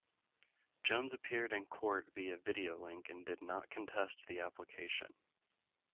Jones appeared in court via video-link and did not contest the application.